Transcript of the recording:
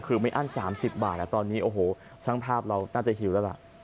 คือไม่อั้น๓๐บาทตอนนี้โอ้โหช่างภาพเราน่าจะหิวแล้วล่ะ